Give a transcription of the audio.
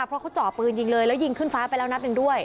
เพราะเขาเจาะปืนยิงเลยแล้วยิงขึ้นฟ้าไปแล้วนัดหนึ่งด้วย